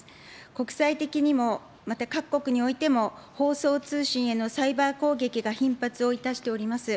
国際的にも、また各国においても、放送通信へのサイバー攻撃が頻発をいたしております。